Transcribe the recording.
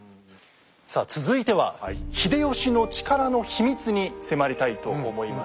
さあ続いては秀吉の力の秘密に迫りたいと思います。